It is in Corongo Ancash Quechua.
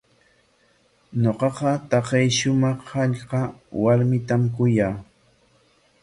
Ñuqaqa taqay shumaq hallqa warmitam kuyaa.